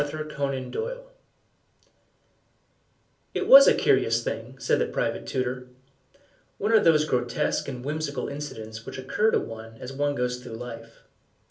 The Japanned Box It WAS a curious thing, said the private tutor; one of those grotesque and whimsical incidents which occur to one as one goes through life.